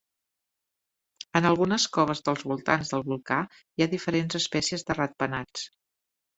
En algunes coves dels voltants del volcà hi ha diferents espècies de ratpenats.